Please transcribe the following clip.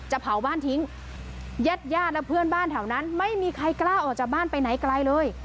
เผาบ้านทิ้งญาติญาติและเพื่อนบ้านแถวนั้นไม่มีใครกล้าออกจากบ้านไปไหนไกลเลย